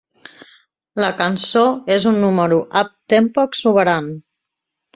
La cançó és un número up-tempo exuberant.